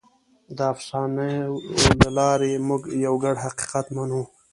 د افسانو له لارې موږ یو ګډ حقیقت منو.